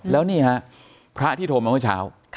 แล้วนี่ฮะพระที่โทรมาเมื่อเช้า